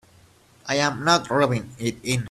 I'm not rubbing it in.